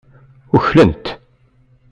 Uklen-t.